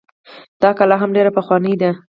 دا کلا هم ډيره پخوانۍ ده